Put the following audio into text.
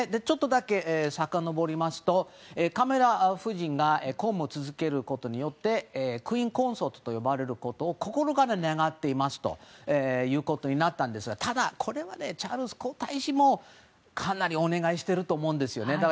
ちょっとだけさかのぼりますとカミラ夫人が公務を続けることによってクイーン・コンソートと呼ばれることを心から願っていますということになったんですがただ、これはチャールズ皇太子もかなりお願いしていると思うんですよね。